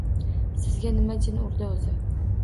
Sizga nima jin urdi o`zi